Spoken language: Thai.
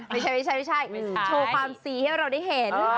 ไม่ใช่โชว์ความซีให้เราได้เห็น